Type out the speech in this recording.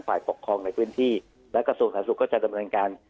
ฝ่ายปกครองในพื้นที่แล้วก็ส่วนสนับสนุกก็จะทำการ